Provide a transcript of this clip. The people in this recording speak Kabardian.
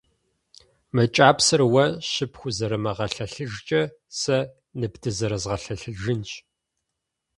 Мы кӏапсэр уэ щыпхузэрымыгъэлъэлъыжкӏэ сэ ныбдызэрызгъэлъэлъыжынщ.